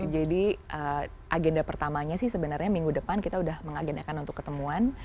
jadi agenda pertamanya sih sebenarnya minggu depan kita udah mengagenakan untuk ketemuan